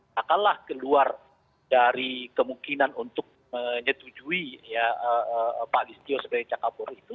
takkanlah keluar dari kemungkinan untuk menyetujui pak listio sebagai cakapolri itu